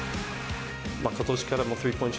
ことしからスリーポイント